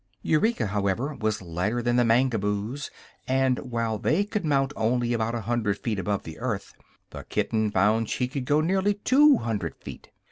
Eureka, however, was lighter than the Mangaboos, and while they could mount only about a hundred feet above the earth the kitten found she could go nearly two hundred feet.